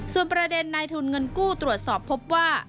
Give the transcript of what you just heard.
ส่วนประเด็นนายทุนเงินกู้ตรวจสอบพบว่า